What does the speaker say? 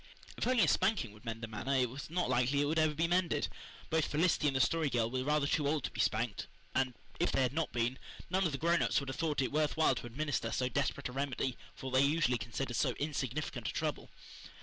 If only a spanking would mend the matter it was not likely it would ever be mended. Both Felicity and the Story Girl were rather too old to be spanked, and, if they had not been, none of the grown ups would have thought it worth while to administer so desperate a remedy for what they considered so insignificant a trouble.